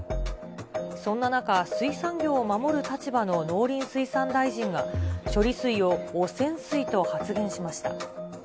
そんな中、水産業を守る立場の農林水産大臣が、処理水を汚染水と発言しました。